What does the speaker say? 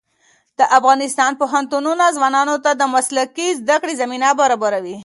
د افغانستان پوهنتونونه ځوانانو ته د مسلکي زده کړو زمینه برابروي.